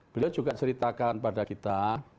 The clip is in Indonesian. beliau juga ceritakan pada kita